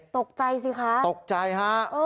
ตกใจสิคะตกใจฮะ